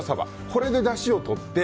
これでだしをとって。